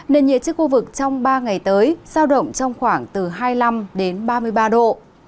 nền nhiệt trên khu vực trong ba ngày tới sao động trong khoảng từ hai mươi năm đến ba mươi ba độ